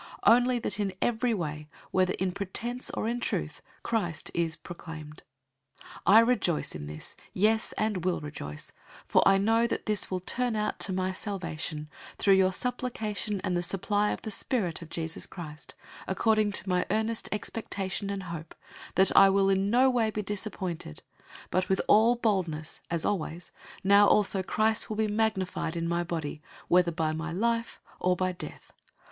Only that in every way, whether in pretense or in truth, Christ is proclaimed. I rejoice in this, yes, and will rejoice. 001:019 For I know that this will turn out to my salvation, through your supplication and the supply of the Spirit of Jesus Christ, 001:020 according to my earnest expectation and hope, that I will in no way be disappointed, but with all boldness, as always, now also Christ will be magnified in my body, whether by life, or by death.